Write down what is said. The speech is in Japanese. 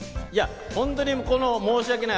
本当に申しわけない。